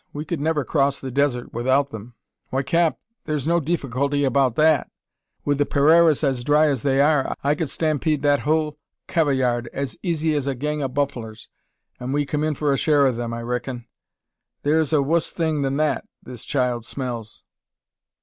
We could never cross the desert without them." "Why, cap, thur's no diffeeculty 'bout that. Wi' the parairas as dry as they are, I kud stampede that hul cavayard as easy as a gang o' bufflers; and we'd come in for a share o' them, I reckin. Thur's a wus thing than that, this child smells."